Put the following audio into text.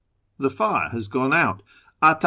The fire has gone out — Ata.